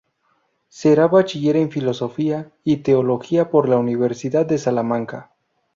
Será bachiller en Filosofía y Teología por la Universidad de Salamanca.